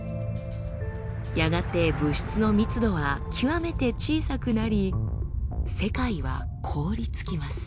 やがて物質の密度は極めて小さくなり世界は凍りつきます。